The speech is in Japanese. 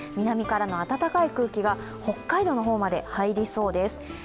南からの暖かい空気が北海道の方まで入りそうです。